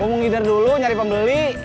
gua mau ngidur dulu nyari pembeli